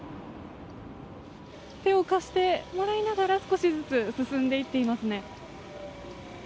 手を貸してもらいながら少しずつ進んでいっていますね。